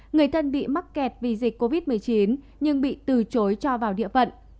người thân bị mắc kẹt vì dịch covid một mươi chín nhưng bị từ chối cho vào địa phận